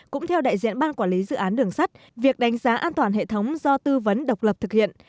cũng theo đại diện ban quản lý dự án đường sắt việc đánh giá an toàn hệ thống do tư vấn độc lập thực hiện